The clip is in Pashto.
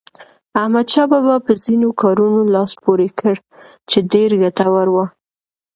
احمدشاه بابا په ځینو کارونو لاس پورې کړ چې ډېر ګټور وو.